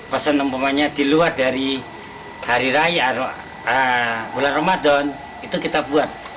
pesan umpamanya di luar dari hari raya bulan ramadan itu kita buat